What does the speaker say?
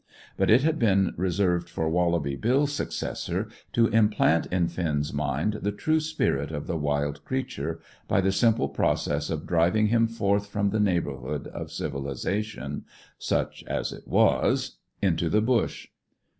But it had been reserved for Wallaby Bill's successor to implant in Finn's mind the true spirit of the wild creature, by the simple process of driving him forth from the neighbourhood of civilization such as it was into the bush.